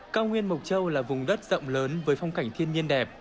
cao nguyên mộc châu là vùng đất rộng lớn với phong cảnh thiên nhiên đẹp